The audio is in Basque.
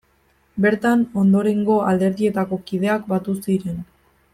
Bertan ondorengo alderdietako kideak batu ziren.